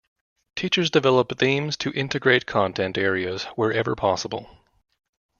Teachers develop themes to integrate content areas wherever possible.